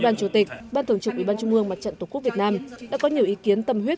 đoàn chủ tịch ban thường trực ubnd mặt trận tổ quốc việt nam đã có nhiều ý kiến tâm huyết